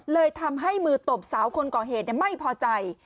เลยทำให้มือตบสาวคนก่อเหตุไม่พอใจ